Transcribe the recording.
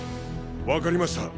わかりました！